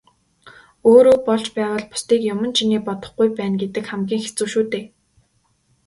Өөрөө болж байвал бусдыг юман чинээ бодохгүй байна гэдэг хамгийн хэцүү шүү дээ.